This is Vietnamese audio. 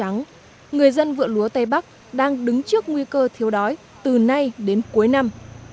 người dân vựa lúa tây bắc đang đứng trước nguy cơ thiếu đói từ nay đến cuối năm